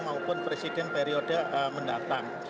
maupun presiden periode mendatang